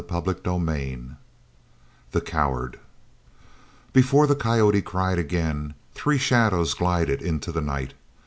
CHAPTER XXXIV THE COWARD Before the coyote cried again, three shadows glided into the night.